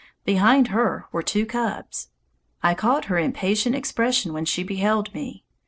Behind her were two cubs. I caught her impatient expression when she beheld me.